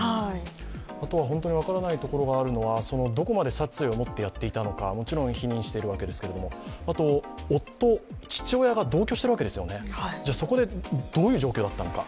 あとは本当に分からないところがあるのは、どこまで殺意を持ってやっていたのかもちろん否認しているわけですけれども夫、父親が同居しているわけですよね、そこでどういう状況だったのか。